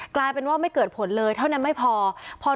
กลายเป็นว่าไม่เกิดผลเลยเท่านั้นไม่พอ